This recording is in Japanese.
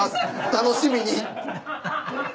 楽しみに！」